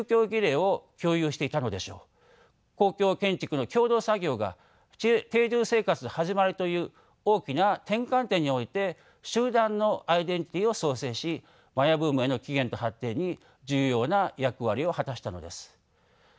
公共建築の共同作業が定住生活の始まりという大きな転換点において集団のアイデンティティーを創生しマヤ文明の起源と発展に重要な役割を果たしたのです。